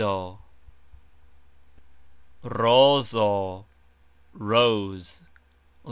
rOzo : rose.